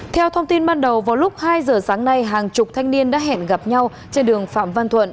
theo thông tin ban đầu vào lúc hai giờ sáng nay hàng chục thanh niên đã hẹn gặp nhau trên đường phạm văn thuận